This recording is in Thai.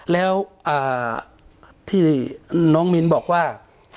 แล้วที่น้องมิ้นบอกว่า